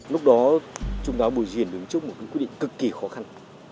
lúc đó chúng ta buổi diễn đứng trước một quyết định cực kỳ khó khăn